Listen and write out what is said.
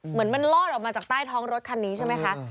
เหมือนมันลอดออกมาจากใต้ท้องรถคันนี้ใช่ไหมคะ